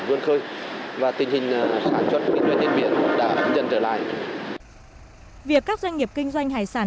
qua đó giúp người dân tiếp tục vươn khơi bám biển khai thác hải sản